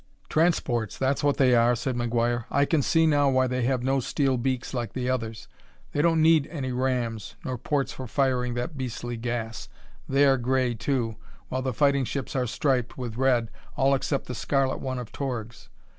"Transports, that's what they are," said McGuire. "I can see now why they have no steel beaks like the others. They don't need any rams, nor ports for firing that beastly gas. They are gray, too, while the fighting ships are striped with red, all except the scarlet one of Torg's.